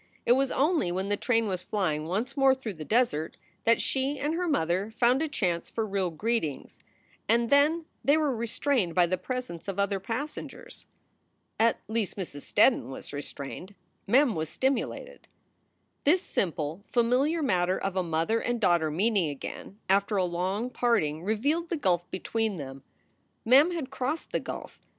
It was only when the train was flying once more through the desert that she and her mother found a chance for real greetings and then they were restrained by the presence of other passengers. At least Mrs. Steddon was restrained. Mem was stimu lated. This simple, familiar matter of a mother and daughter meeting again after a long parting revealed the gulf between them. Mem had crossed the gulf.